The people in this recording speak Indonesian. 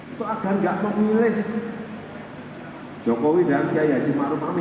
itu agar gak memilih jokowi dan kiai haji marumami